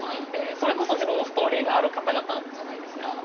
それこそ自分のストーリーがある方々じゃないですか。